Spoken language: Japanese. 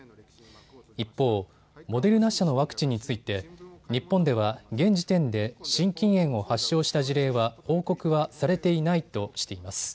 一方、モデルナ社のワクチンについて日本では現時点で心筋炎を発症した事例は報告はされていないとしています。